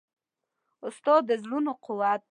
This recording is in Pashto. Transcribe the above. استاد د زړونو قوت دی.